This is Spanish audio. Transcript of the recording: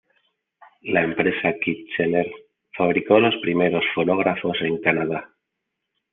La empresa Kitchener, fabricó los primeros fonógrafos en Canadá.